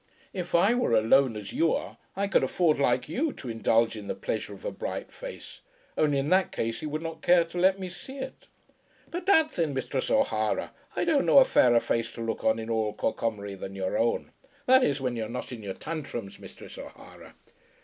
"If I were alone, as you are, I could afford, like you, to indulge in the pleasure of a bright face. Only in that case he would not care to let me see it." "Bedad thin, Misthress O'Hara, I don't know a fairer face to look on in all Corcomroe than your own, that is when you're not in your tantrums, Misthress O'Hara."